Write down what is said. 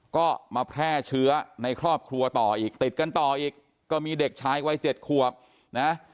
ก็มาแพร่เชื้อในครอบครัวต่ออีกติดกันต่ออีกก็มีเด็กชายวัยเจ็ดขวบนะ